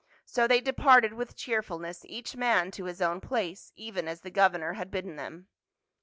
So they departed with cheerfulness each man to his own place, even as the governor had bidden them.